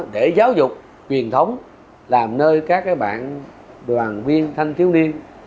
để giáo dục truyền thống làm nơi các bạn đoàn viên thanh thiếu niên